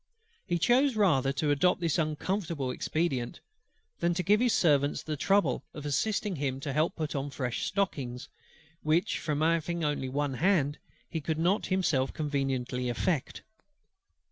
He chose rather to adopt this uncomfortable expedient, than to give his servants the trouble of assisting him to put on fresh stockings; which, from his having only one hand, he could not himself conveniently effect.